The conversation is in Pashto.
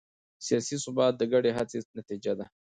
سیاسي ثبات د ګډې هڅې نتیجه ده